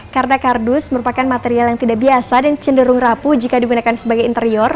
karena kardus merupakan material yang tidak biasa dan cenderung rapuh jika digunakan sebagai interior